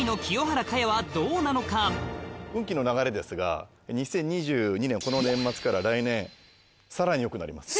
運気の流れですが２０２２年この年末から来年さらによくなります。